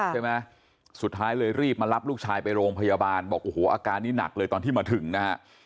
สุดท้ายเลยรีบมารับลูกชายไปโรงพยาบาลบอกโอ้โหอาการนี้หนักเลยตอนที่มาถึงนะฮะ